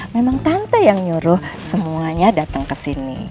memang tante yang nyuruh semuanya datang kesini